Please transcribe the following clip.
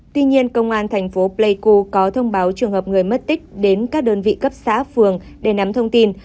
tuy nhiên công an thành phố pleiku có thông báo trường hợp người mất tích đến các đơn vị cấp xã phường để nắm thông tin